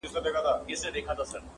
o زه چوپړ کي د ساقي پر خمخانه سوم,